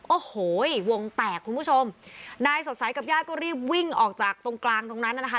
โอ้โหวงแตกคุณผู้ชมนายสดใสกับญาติก็รีบวิ่งออกจากตรงกลางตรงนั้นน่ะนะคะ